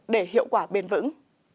để hiệu quả bền vững